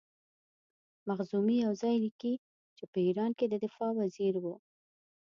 مخزومي یو ځای لیکي چې په ایران کې د دفاع وزیر وو.